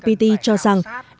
đối với các đồng bộ